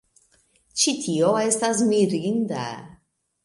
Ĉi tio estas mirinda